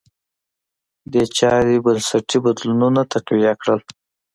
دې چارې بنسټي بدلونونه تقویه کړل.